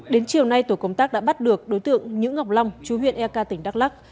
đến chiều nay tổ công tác đã bắt được đối tượng nhữ ngọc long chú huyện ek tỉnh đắk lắc